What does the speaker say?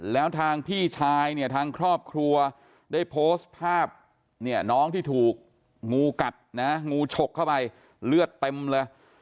แล้วทางพี่ชายเนี่ยทางครอบครัวได้โพสต์ภาพเนี่ยน้องที่ถูกงูกัดนะงูฉกเข้าไปเลือดเต็มเลย